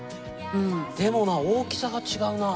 でもな大きさが違うな。